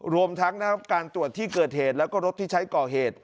รวมทั้งนะครับการตรวจที่เกิดเหตุแล้วก็รถที่ใช้ก่อเหตุ